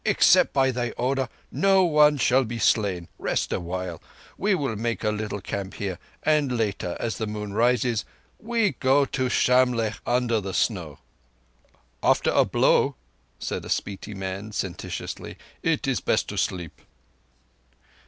"Except by thy order, no one shall be slain. Rest awhile. We will make a little camp here, and later, as the moon rises, we go to Shamlegh under the Snow." "After a blow," said a Spiti man sententiously, "it is best to sleep."